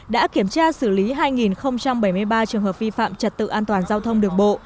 đã kiểm tra xử lý hai bảy mươi ba trường hợp vi phạm trật tự an toàn giao thông đường bộ